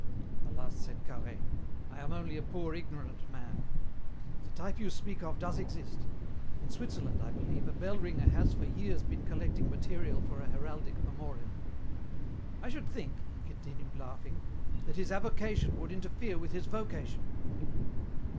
"Alas," said Carhaix, "I am only a poor ignorant man. But the type you speak of does exist. In Switzerland, I believe, a bell ringer has for years been collecting material for a heraldic memorial. I should think," he continued, laughing, "that his avocation would interfere with his vocation."